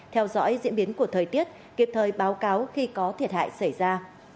theo dõi diễn biến của thời tiết kịp thời báo cáo khi có thiệt hại xảy ra